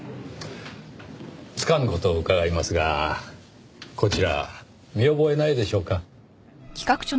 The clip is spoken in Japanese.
つかぬ事を伺いますがこちら見覚えないでしょうか？